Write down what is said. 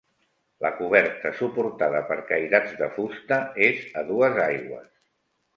La coberta, suportada per cairats de fusta és a dues aigües.